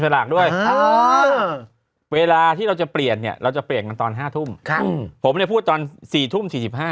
เราจะเปลี่ยนกันตอน๕ทุ่มผมเนี่ยพูดตอน๔ทุ่ม๔๕